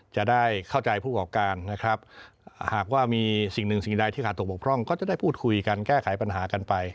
จะได้เข้าใจผู้ประกอบการนะครับหากว่ามีสิ่งหนึ่งสิ่งใดที่ขาดตกบกพร่องก็จะได้พูดคุยกันแก้ไขปัญหากันไป